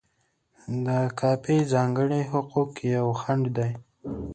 د کاپي ځانګړي حقوق یو خنډ دی.